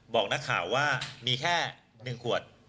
บอกนักข่าวว่ามีแค่๑ขวด